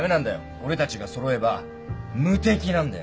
俺たちが揃えば無敵なんだよ